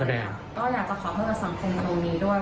อยากจะขอเพิ่มกับ๓คนโครงนี้ด้วย